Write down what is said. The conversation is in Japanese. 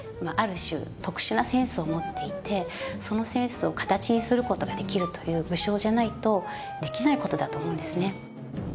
ある種特殊なセンスを持っていてそのセンスを形にする事ができるという武将じゃないとできない事だと思うんですね。